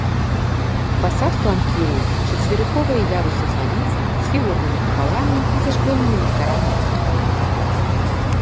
Фасад фланкіруюць чацверыковыя ярусы званіц з фігурнымі купаламі і зашклёнымі ліхтарамі над імі.